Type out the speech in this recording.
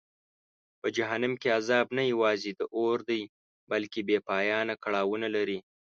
په جهنم کې عذاب نه یوازې د اور دی بلکه بېپایانه کړاوونه لري.